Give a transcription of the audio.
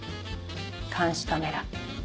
監視カメラ。